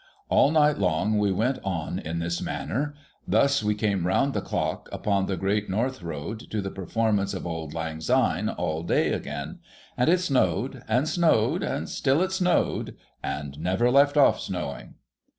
All night long we went on in this manner. Thus we came round the clock, upon the Great North Road, to the performance of Auld Lang Syne all day again. And it snowed and snowed, and still it snowed, and never left off snowing.